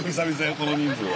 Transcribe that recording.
この人数は。